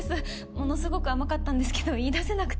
ものすごく甘かったんですけど言いだせなくて。